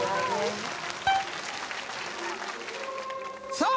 さあ